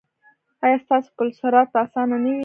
ایا ستاسو پل صراط به اسانه نه وي؟